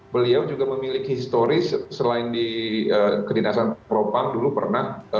beliau juga memiliki historis selain di kedinasan propam dulu pernah